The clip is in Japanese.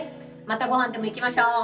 またごはん食べ行きましょう。